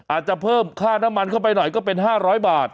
อาจจะเพิ่มค่าน้ำมันเข้าไปหน่อยก็เป็น๕๐๐บาท